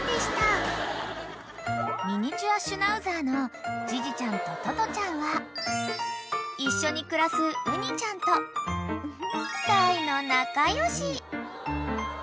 ［ミニチュア・シュナウザーのジジちゃんとトトちゃんは一緒に暮らすうにちゃんと大の仲良し］